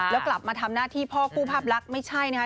แล้วกลับมาทำหน้าที่พ่อคู่ภาพลักษณ์ไม่ใช่นะคะ